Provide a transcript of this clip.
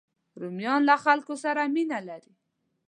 رومیان له خلکو سره مینه کوي